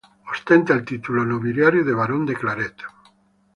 Ostenta el título nobiliario de barón de Claret.